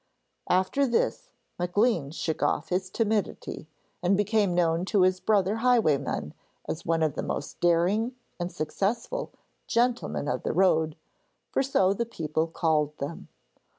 After this Maclean shook off his timidity, and became known to his brother highwaymen as one of the most daring and successful 'gentlemen of the road,' for so the people called them.